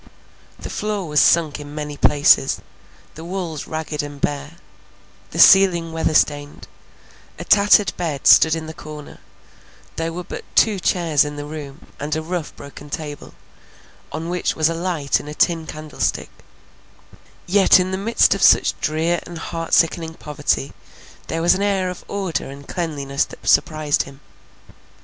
The floor was sunk in many places; the walls ragged and bare—the ceiling weather stained—a tattered bed stood in the corner; there were but two chairs in the room, and a rough broken table, on which was a light in a tin candlestick;—yet in the midst of such drear and heart sickening poverty, there was an air of order and cleanliness that surprised him.